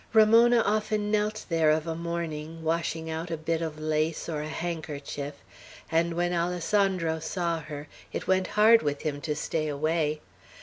Ramona often knelt there of a morning, washing out a bit of lace or a handkerchief; and when Alessandro saw her, it went hard with him to stay away.